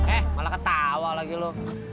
eh malah ketawa lagi loh